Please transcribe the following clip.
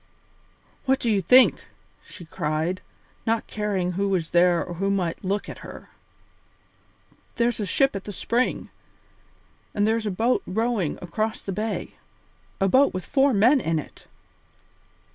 "What do you think!" she cried, not caring who was there or who might look at her. "There's a ship at the spring, and there's a boat rowing across the bay. A boat with four men in it!"